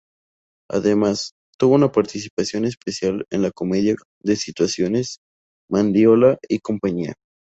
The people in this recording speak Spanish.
Además, tuvo una participación especial en la comedia de situaciones "Mandiola y Compañía".